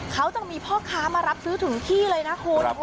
เขาจะมีพ่อค้ามารับซื้อถึงที่เลยนะคุณ